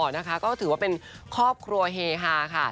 นะคะก็ถือว่าเป็นครอบครัวเฮฮาค่ะ